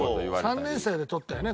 ３年生で取ったよね。